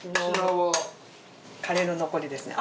カレーの残りですね。